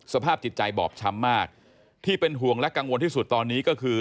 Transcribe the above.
สภาพจิตใจบอบช้ำมากที่เป็นห่วงและกังวลที่สุดตอนนี้ก็คือ